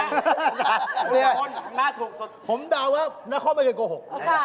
อย่างนี้ผมดาวว่านักข้อมันไม่เคยโกหก